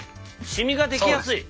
シミが出来やすい。